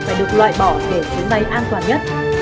phải được loại bỏ để chuyến bay an toàn nhất